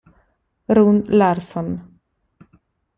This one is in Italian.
Rune Larsson